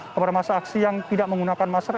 kepada masa aksi yang tidak menggunakan masker